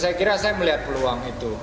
saya kira saya melihat peluang itu